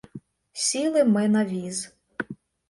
Сіли ми на віз.